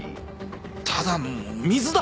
ただの水だ！